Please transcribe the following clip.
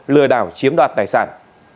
lừa đảo chiếm đoạt tài sản